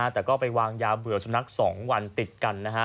แต่ก็ไปวางยาเบื่อสุนัข๒วันติดกันนะฮะ